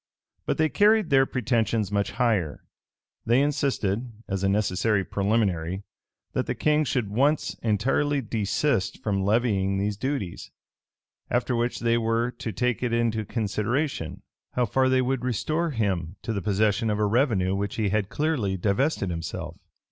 But they carried their pretensions much higher. They insisted, as a necessary preliminary, that the king should once entirely desist from levying these duties; after which they were to take it into consideration, how far they would restore, him to the possession of a revenue of which he had clearly divested himself.